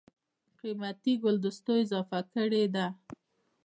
دَ قېمتي ګلدستو اضافه کړې ده